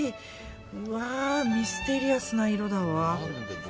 うわー、ミステリアスな色だわ。